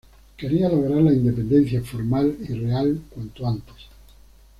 Quería lograr la Independencia formal y real, cuanto antes.